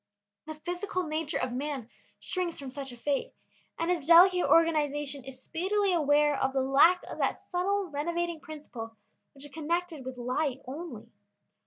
The physical nature of man shrinks from such a fate, and his delicate organization is speedily aware of the lack of that subtle renovating principle which is connected with light only.